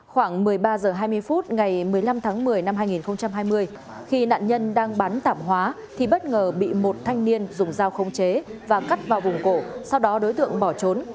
khoảng một mươi ba h hai mươi phút ngày một mươi năm tháng một mươi năm hai nghìn hai mươi khi nạn nhân đang bán tảm hóa thì bất ngờ bị một thanh niên dùng dao khống chế và cắt vào vùng cổ sau đó đối tượng bỏ trốn